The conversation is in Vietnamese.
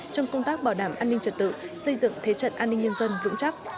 trong công tác bảo đảm an ninh trật tự xây dựng thế trận an ninh nhân dân vững chắc